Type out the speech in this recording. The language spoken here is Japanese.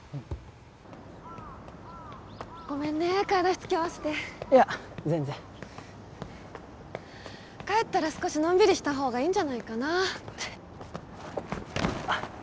ごめんね買い出しつきあわせていや全然帰ったら少しのんびりした方がいいんじゃないかなあっ